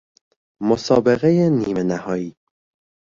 مسابقه نیمه نهائی